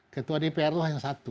ketua dpr itu hanya satu